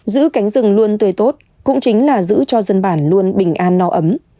giữ cánh rừng luôn tươi tốt cũng chính là giữ cho dân bản luôn bình an no ấm